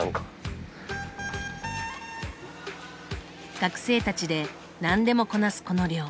学生たちで何でもこなすこの寮。